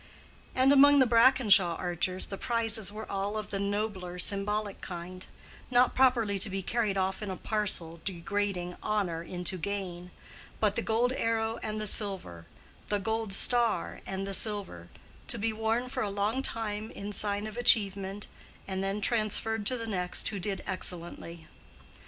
And among the Brackenshaw archers the prizes were all of the nobler symbolic kind; not properly to be carried off in a parcel, degrading honor into gain; but the gold arrow and the silver, the gold star and the silver, to be worn for a long time in sign of achievement and then transferred to the next who did excellently.